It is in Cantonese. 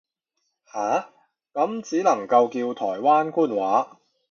下，咁只能夠叫台灣官話